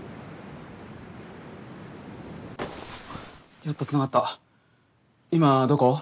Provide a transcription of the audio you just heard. やっとつながった今どこ？